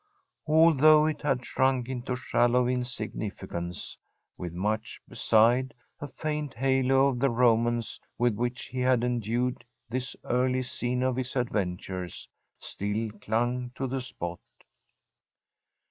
Although it had shrunk into shallow insignificance, with much beside, a faint halo of the romance with which he had endued this early scene of his adventures still clung to the spot.